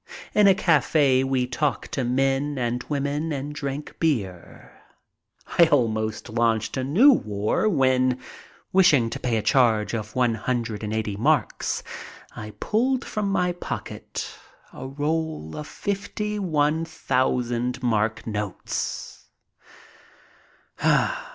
In a cafe we talked to men and women and drank beer. I almost launched a new war when, wishing to pay a charge of one hundred and eighty marks, I pulled from my pocket a roll of fifty one thousand mark notes.